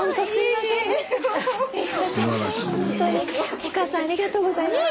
おかあさんありがとうございました。